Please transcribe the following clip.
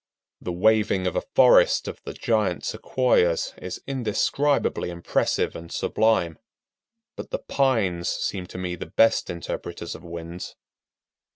The waving of a forest of the giant Sequoias is indescribably impressive and sublime, but the pines seem to me the best interpreters of winds.